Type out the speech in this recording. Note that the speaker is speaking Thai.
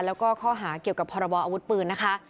แล้วก็ข้อหาเกี่ยวกับพรบออาวุธปืนนะคะ